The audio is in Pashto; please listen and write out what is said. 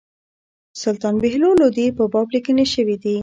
سلطان بهلول لودي په باب لیکني شوي دي.